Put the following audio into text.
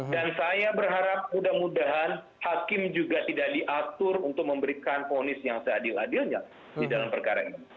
dan saya berharap mudah mudahan hakim juga tidak diatur untuk memberikan ponis yang seadil adilnya di dalam perkara ini